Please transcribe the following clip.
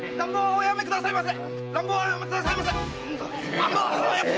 おやめくださいませ！